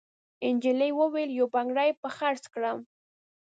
نجلۍ وویل: «یو بنګړی به خرڅ کړم.»